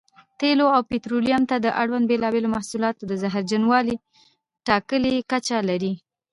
تېلو او پټرولیم ته اړوند بېلابېل محصولات د زهرجنوالي ټاکلې کچه لري.